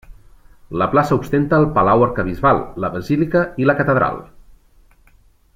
La plaça ostenta el Palau arquebisbal, la basílica i la catedral.